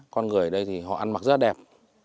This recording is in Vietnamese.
con người ở đây thì họ ăn mặc rất đẹp